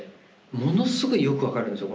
ものすごいよく分かるんですよ